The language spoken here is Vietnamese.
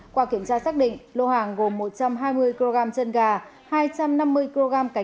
qua kiểm tra xác định lô hàng gồm một trăm hai mươi kg chân gà hai trăm năm mươi kg cá